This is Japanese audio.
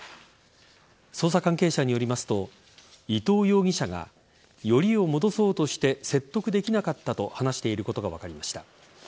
捜査関係者によりますと伊藤容疑者がよりを戻そうとして説得できなかったと話していることが分かりました。